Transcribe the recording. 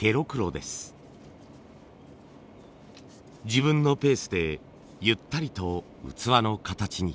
自分のペースでゆったりと器の形に。